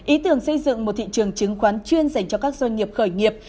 ý tưởng xây dựng một thị trường chứng khoán chuyên dành cho các doanh nghiệp khởi nghiệp